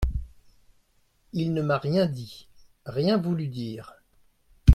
Il ne m'a rien dit, rien voulu dire.